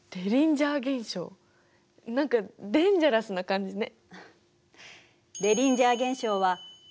何かデンジャラスな感じね。